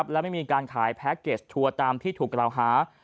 และไม่มีการขายแพ็คเกจทัวร์ตามที่ถูกกล่าวหา